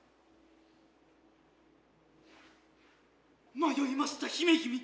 迷ひました姫君。